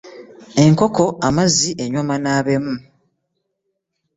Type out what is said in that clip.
Enkoko amazzi enywa manaabemu.